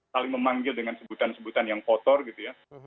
saling memanggil dengan sebutan sebutan yang kotor gitu ya